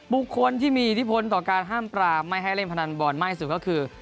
บุคคลที่มีอิทธิพลต่อการห้ามปรามไม่ให้เล่นพนันบอลมากสุดก็คือ